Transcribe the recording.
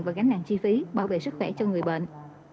và gánh nặng chi phí bảo vệ sức khỏe cho người bệnh